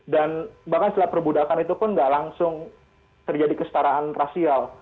dan bahkan setelah perbudakan itu pun nggak langsung terjadi kestaraan rasial